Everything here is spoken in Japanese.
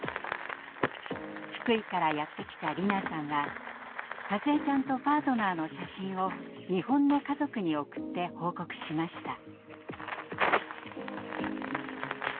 福井からやって来た里奈さんはかずえちゃんとパートナーの写真を日本の家族に送って報告しました。